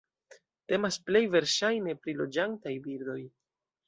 Temas plej verŝajne pri loĝantaj birdoj.